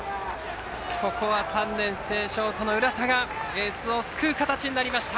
３年生、ショートの浦田がエースを救う形になりました。